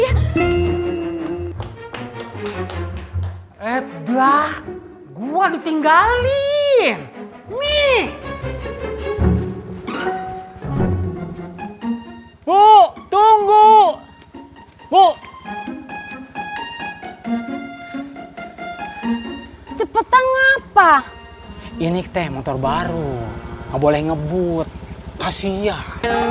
hebat gua ditinggalin nih bu tunggu bu cepetan apa ini ke motor baru boleh ngebut kasihan